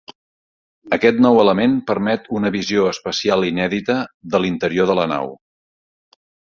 Aquest nou element permet una visió espacial inèdita de l'interior de la nau.